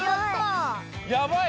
やばい！